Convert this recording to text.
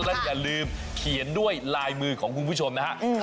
และอย่าลืมเขียนด้วยลายมือของคุณผู้ชมนะฮะ